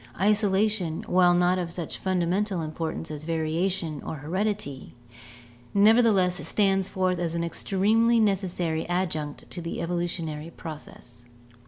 Isolation, while not of such fundamental importance as variation or heredity, nevertheless stands forth as an extremely necessary adjunct to the evolutionary process.